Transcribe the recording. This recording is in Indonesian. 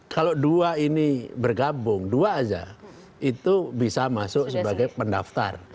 kalau dua ini bergabung dua aja itu bisa masuk sebagai pendaftar